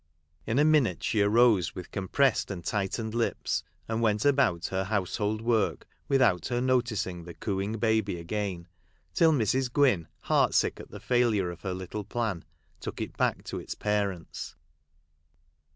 " In a minute she arose, with compressed and tight ened lips, and went about her household work, without her noticing the cooing baby again, till Mrs. Gwynn, heart sick at the failure of her little plan, took it back to its parents.